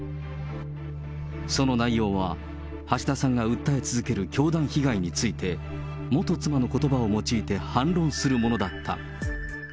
その内容は、橋田さんが訴え続ける教団被害について、元妻のことばを用いて反論するものだった。